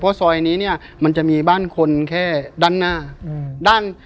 เพราะซอยนี้เนี่ยมันจะมีบ้านคนแค่ด้านหน้า